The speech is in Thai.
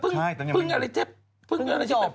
เพิ่งเรื่องอะไรเจ็บ